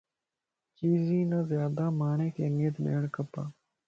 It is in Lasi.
چيزين نازيادا ماڻھينک اھميت ڏيڻ کپَ